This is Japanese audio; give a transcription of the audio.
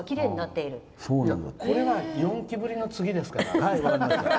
いや、これは４期ぶりの次ですから。